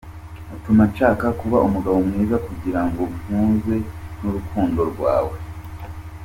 Utuma nshaka kuba umugabo mwiza, kugirango mpuze n’urukundo rwawe.